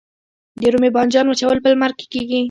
د رومي بانجان وچول په لمر کې کیږي؟